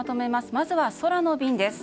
まずは空の便です。